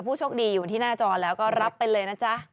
ผู้โชคดีอยู่ที่หน้าจอแล้วก็รับไปเลยนะจ๊ะ